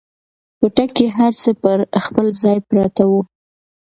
کوټه کې هر څه پر خپل ځای پراته وو.